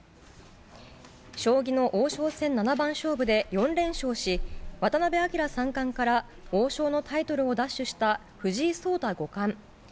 将棋の王将戦七番勝負で４連勝し、渡辺明三冠から王将のタイトルを奪取した藤井聡太五冠。